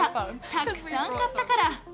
たくさん買ったから。